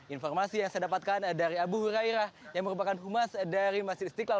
informasi yang saya dapatkan dari abu hurairah yang merupakan humas dari masjid istiqlal